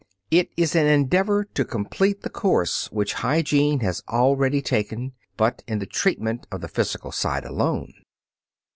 It is an endeavor to complete the course which hygiene has already taken, but in the treatment of the physical side alone.